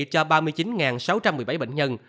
cho ba mươi chín sáu trăm một mươi bảy bệnh nhân